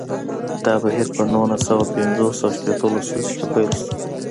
دا بهیر په نولس سوه پنځوس او شپیته لسیزو کې پیل شو.